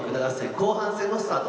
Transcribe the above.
後半戦のスタート。